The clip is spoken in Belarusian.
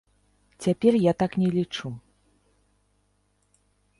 Цяпер я так не лічу.